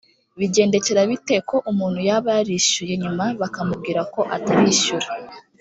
bigendekera bite ko umuntu yaba yarishyuye nyuma bakamubwir ko atarishyura